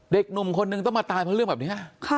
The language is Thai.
เด็กหนุ่มคนนึงต้องมาตายเพราะเรื่องแบบนี้